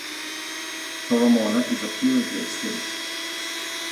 Toromona is apparently extinct.